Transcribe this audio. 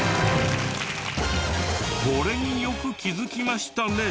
これによく気づきましたね！